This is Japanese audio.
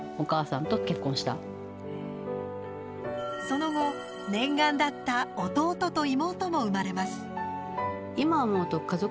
その後念願だった弟と妹も生まれます。